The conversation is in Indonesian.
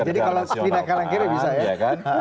jadi kalau di nakal yang kiri bisa ya